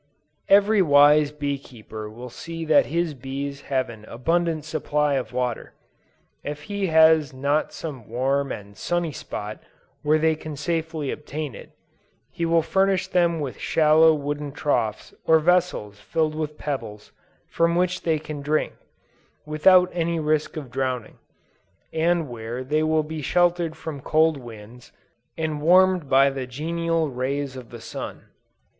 Every wise bee keeper will see that his bees have an abundant supply of water. If he has not some warm and sunny spot where they can safely obtain it, he will furnish them with shallow wooden troughs or vessels filled with pebbles, from which they can drink, without any risk of drowning, and where they will be sheltered from cold winds, and warmed by the genial rays of the sun.